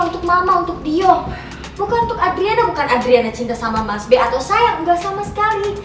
untuk mama untuk dio bukan untuk adriana bukan adriana cinta sama mas b atau saya enggak sama sekali